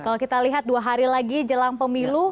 kalau kita lihat dua hari lagi jelang pemilu